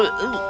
aku akan muntah